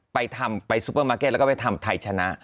ไปทำไปซุปเปอร์มาร์เก็ตแล้วก็ไปทำไทยชนะ